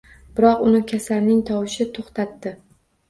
Biroq uni kasalning tovushi toʻxtatdi